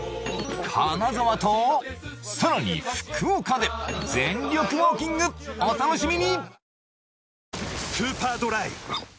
金沢とさらに福岡で全力ウォーキングお楽しみに！